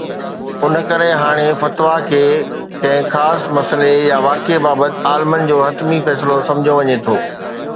ان ڪري هاڻي فتويٰ کي ڪنهن خاص مسئلي يا واقعي بابت عالمن جو حتمي فيصلو سمجهيو وڃي ٿو.